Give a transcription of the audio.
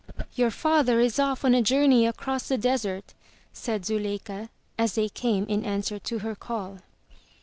*'Your father is off on a journey across the desert," said Zuleika, as they came in answer to her call.